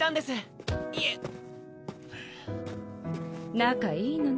仲いいのね。